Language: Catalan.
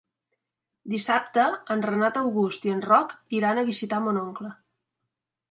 Dissabte en Renat August i en Roc iran a visitar mon oncle.